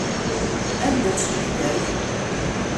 Anda-tt jida-k?